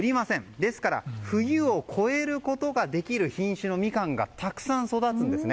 ですから冬を超えることができる品種のミカンがたくさん育つんですね。